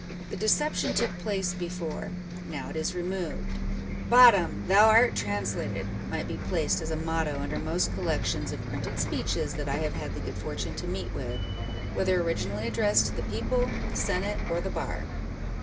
The deception took place before ; now it is removed. " Bottom ! thou art translated !" might be placed as a motto under most col lections of printed speeches that I have had the good â€¢fortune to meet with, whether originally addressed to the people, the senate, or the bar.